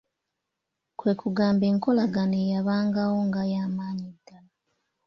Kwe kugamba enkolagana eyabangawo nga ya maanyi ddala.